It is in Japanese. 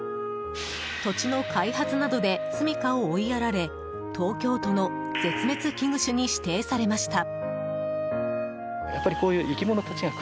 土地の開発などで住処を追いやられ東京都の絶滅危惧種に指定されました。